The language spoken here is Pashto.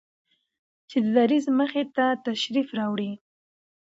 چې د دريځ مخې ته تشریف راوړي